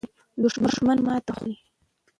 دښمن ماته خوړله.